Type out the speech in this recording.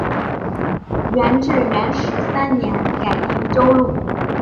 元至元十三年改婺州路。